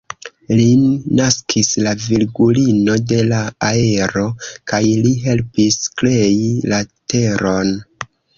Lin naskis la Virgulino de la Aero, kaj li helpis krei la teron.